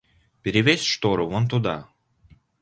Перевесь штору вон туда!